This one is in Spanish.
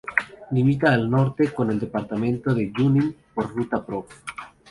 Limita al norte con el departamento de Junín por ruta prov.